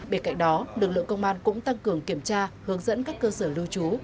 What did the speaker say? bên cạnh đó lực lượng công an cũng tăng cường kiểm tra hướng dẫn các cơ sở lưu trú